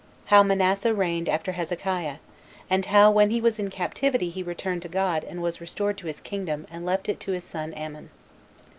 How Manasseh Reigned After Hezekiah; And How When He Was In Captivity He Returned To God And Was Restored To His Kingdom And Left It To [His Son] Amon.